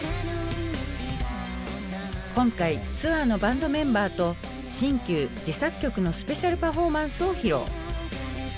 今回ツアーのバンドメンバーと新旧自作曲のスペシャルパフォーマンスを披露。